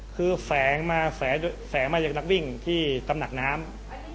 คือแฝงมาแสงมาจากนักวิ่งที่ตำหนักน้ำ